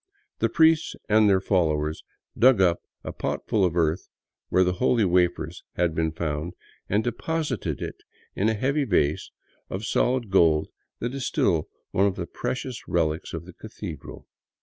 The priests and their followers dug up a potful of earth where the holy wafers had been found, and deposited it in a heavy vase of solid gold that is still one of the precious relics of the cathedral.